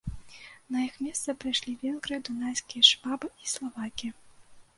На іх месца прыйшлі венгры, дунайскія швабы і славакі.